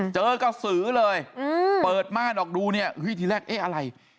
เจอก้าสือเลยเปิดม่านออกดูเนี่ยทีแรกอะไร